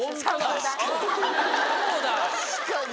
確かに！